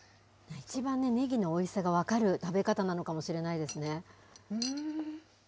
一番ねぎのおいしさが分かる食べ方なのかもしれないですね。